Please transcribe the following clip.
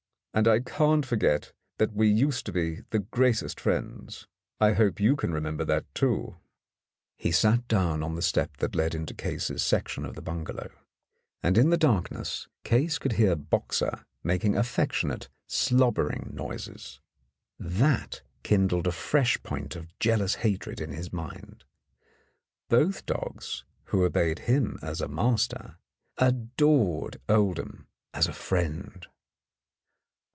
And I can't forget that we used to be 117 In the Dark the greatest friends. I hope you can remember that, too." He sat down on the step that led into Case's section of the bungalow, and in the darkness Case could hear Boxer making affectionate slobbering noises. That kindled a fresh point of jealous hatred in his mind; both dogs, who obeyed him as a master, adored Oldham as a friend.